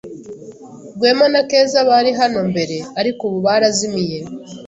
Rwema na Keza bari hano mbere, ariko ubu barazimiye.